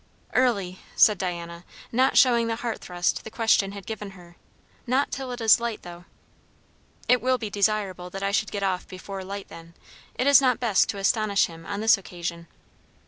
"Early," said Diana, not showing the heart thrust the question had given her. "Not till it is light, though." "It will be desirable that I should get off before light, then. It is not best to astonish him on this occasion."